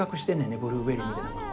ブルーベリーみたいなものを。